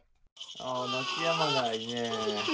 ああ泣きやまないねぇ。